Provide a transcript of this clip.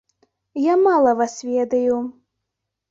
Я мала вас ведаю.